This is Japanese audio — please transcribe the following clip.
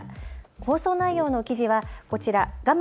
放送内容の記事はこちら画面